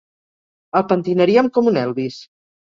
El pentinaríem com un Elvis.